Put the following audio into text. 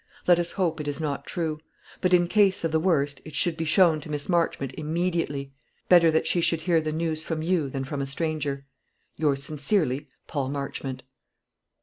Let us hope it is not true. But, in case of the worst, it should be shown to Miss Marchmont immediately. Better that she should hear the news from you than from a stranger. "Yours sincerely, "PAUL MARCHMONT."